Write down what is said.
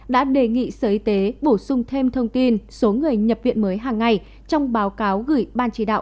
đã đề nghị sở y tế bổ sung thêm thông tin số người nhập viện mới hàng ngày trong báo cáo gửi ban chỉ đạo